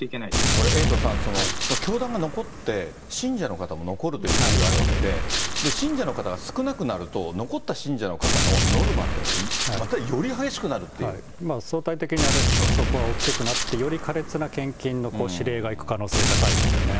これ、エイトさん、教団が残って、信者の方も残るということがあるわけで、信者の方が少なくなると、残った信者の方のノルマというのは、またより激しくなると相対的にそこは大きくなって、より苛烈な献金の指令がいく可能性高いですよね。